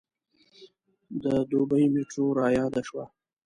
د دبۍ میټرو رایاده شوه.